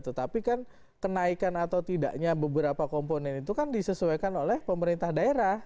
tetapi kan kenaikan atau tidaknya beberapa komponen itu kan disesuaikan oleh pemerintah daerah